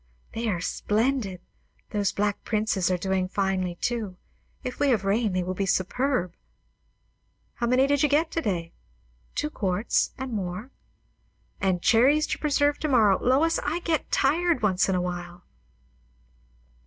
"They are splendid. Those Black Princes are doing finely too. If we have rain they will be superb." "How many did you get to day?" "Two quarts, and more." "And cherries to preserve to morrow. Lois, I get tired once in a while!"